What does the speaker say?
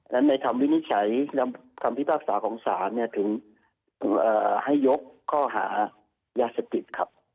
และในคำวินิจฉัยคำพิพากษาของศาลถึงให้ยกข้อหายาเสพติดครับ